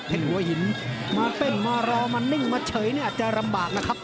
หัวหินมาเต้นมารอมานิ่งมาเฉยเนี่ยอาจจะลำบากนะครับ